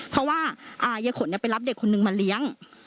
เพราะว่ายายขนไปรับเด็กคนนึงมาเลี้ยง